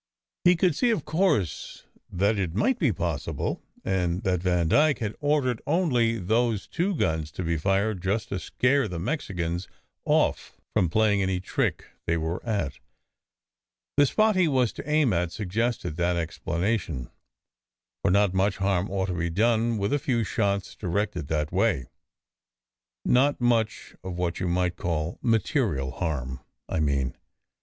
He could see, of course, that it might be possible, and that Vandyke had ordered only those two guns to be fired just to scare the Mexicans off from playing any trick they were at. The spot he was to aim at suggested that explanation, for not much harm ought to be done with a few shots directed that way. Not much of what you might call material harm I mean.